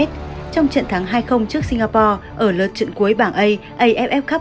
trong trận thắng hai trước singapore ở lớp trận cuối bảng a aff cup hai nghìn hai mươi